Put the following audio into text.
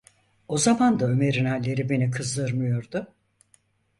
O zaman da Ömer’in halleri beni kızdırmıyordu.